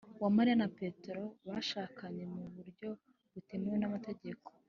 uwamariya na petero bashakanye mu buryo butemewe n’amategeko.